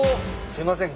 すいません。